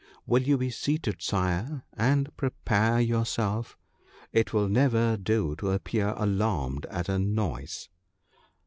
Will you be seated, Sire, and prepare yourself — it will never do to appear alarmed at a noise.'